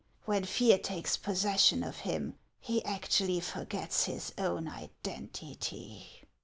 When fear takes possession of him, he actually forgets his own identity."